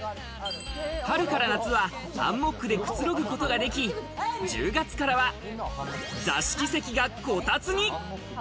春から夏はハンモックでくつろぐことができ、１０月からは座敷席が、こたつに。